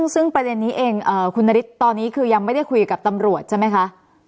ซึ่งประเด็นนี้เองคุณนฤทธิ์ตอนนี้คือยังไม่ได้คุยกับตำรวจใช่ไหมคะ